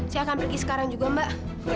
saya akan pergi sekarang juga mbak